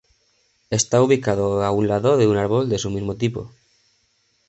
Está ubicado a un lado de un árbol de su mismo tipo.